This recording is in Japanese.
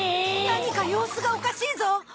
何か様子がおかしいぞ！？